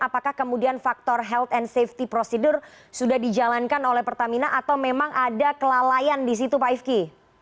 apakah kemudian faktor health and safety procedure sudah dijalankan oleh pertamina atau memang ada kelalaian di situ pak ifki